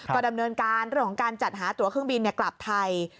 ก็ดำเนินการเรื่องของการจัดหาตัวเครื่องบินกลับไทย